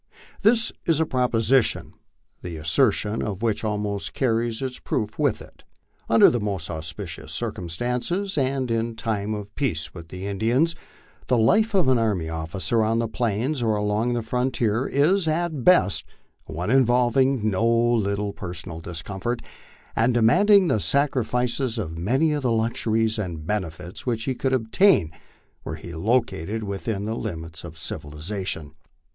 This is a proposition, the assertion of which almost carries its proof with it. Under the most auspicious circumstances, and in time of peace with the In dians, the life of an army officer on the Plains or along our frontier is at best one involving no little personal discomfort, and demanding the sacrifice of many of the luxuries and benefits which he could obtain were he located with in the limits of civilization.